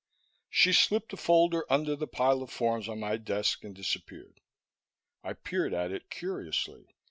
She slipped a folder under the piles of forms on my desk and disappeared. I peered at it curiously.